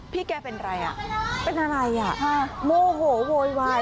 พี่แกเป็นอะไรเป็นอะไรโมโหโหววาย